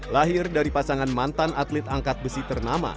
lahir dari pasangan mantan atlet angkat besi ternama